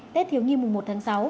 tết thiếu nhi mùa một tháng sáu